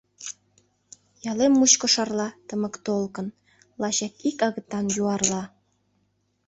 Ялем мучко шарла тымык толкын, Лачак ик агытан юарла.